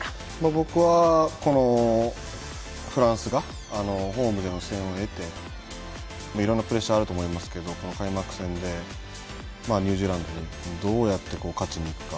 僕はフランスがホームでの予選を経ていろんなプレッシャーがあると思いますがこの開幕戦でニュージーランドにどうやって勝ちにいくか